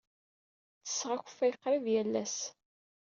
Ttesseɣ akeffay qrib yal ass.